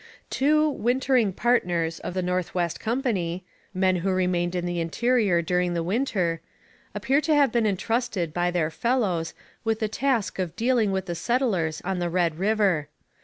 Two 'wintering partners' of the North West Company men who remained in the interior during the winter appear to have been entrusted by their fellows with the task of dealing with the settlers on the Red River.